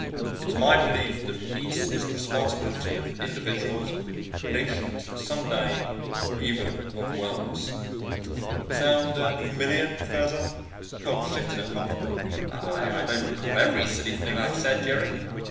"'It's my belief that peace is the responsibility of individuals, of nations, and someday, even of worlds ...' Sound familiar, Professor?" Coltz shifted uncomfortably. "I don't recall every silly thing I said, Jerry."